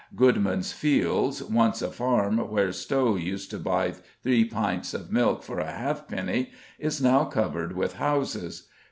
Goodman's Fields, once a farm where Stowe used to buy three pints of milk for a halfpenny, is now covered with houses.